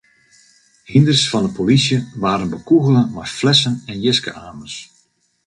Hynders fan de polysje waarden bekûgele mei flessen en jiske-amers.